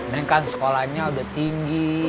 ini kan sekolahnya udah tinggi